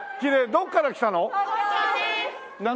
どっから来たの？